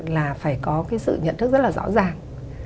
là phải có cái sự nhận thức rất là rõ ràng